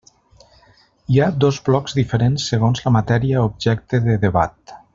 Hi ha dos blocs diferents segons la matèria objecte de debat.